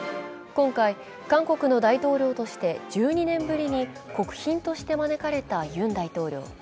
今回、韓国の大統領として１２年ぶりに国賓として招かれたユン大統領。